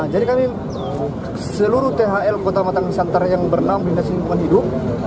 jadi kami seluruh thl kota matang santara yang bernama bintang simpon hidup